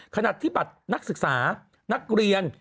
ขณะที่บัตรนักศึกษานักเรียน